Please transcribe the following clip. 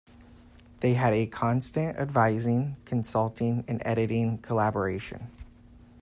They had a constant advising, consulting and editing collaboration.